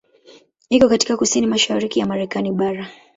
Iko katika kusini mashariki ya Marekani bara.